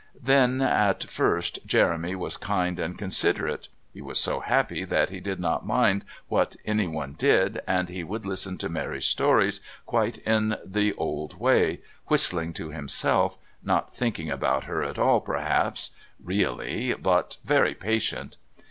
Then, at first Jeremy was kind and considerate. He was so happy that he did not mind what anyone did, and he would listen to Mary's stories quite in the old way, whistling to himself, not thinking about her at all perhaps, really, but very patient.